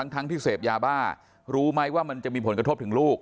ทั้งที่เสพยาบ้ารู้ไหมว่ามันจะมีผลกระทบถึงลูก